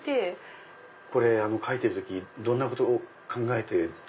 これ描いてる時どんなことを考えて。